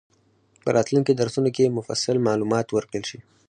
په راتلونکي درسونو کې مفصل معلومات ورکړل شي.